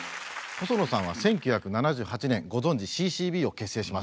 細野さんは１９７８年ご存じＣＣＢを結成します。